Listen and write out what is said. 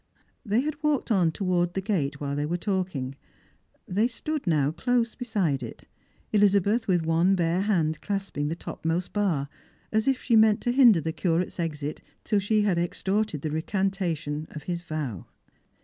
They had walked on towards the gate while they were talking. They now stood close beside it; Elizabeth with one bare hand clasping the topmost bar, as if she meant to hinder the Curate's exit till she had extorted the recantation of his vow.